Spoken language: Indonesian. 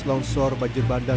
laun sor banjir bandar